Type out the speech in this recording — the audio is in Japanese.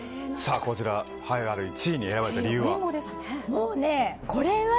こちら、栄えある１位に選ばれた理由は？